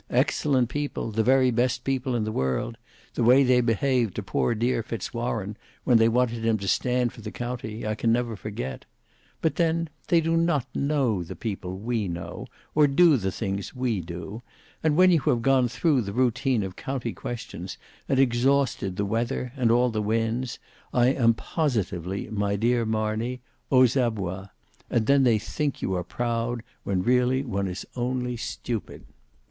Excellent people, the very best people in the world; the way they behaved to poor dear Fitz Warene, when they wanted him to stand for the county, I never can forget; but then they do not know the people we know, or do the things we do; and when you have gone through the routine of county questions, and exhausted the weather and all the winds, I am positively, my dear Lady Marney, aux abois, and then they think you are proud, when really one is only stupid."